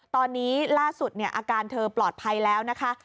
ตอนนี้ล่าสุดอาการเธอปลอดภัยแล้วนะคะ